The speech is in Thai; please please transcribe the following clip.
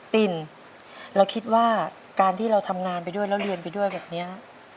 ปิ่นเราคิดว่าการที่เราทำงานไปด้วยแล้วเรียนไปด้วยแบบนี้